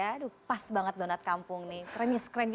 aduh pas banget donat kampung nih